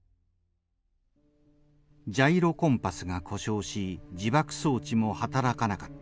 ジャイロコンパスが故障し自爆装置も働かなかった。